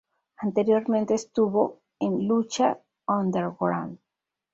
Anteriormente estuvo en "Lucha Underground".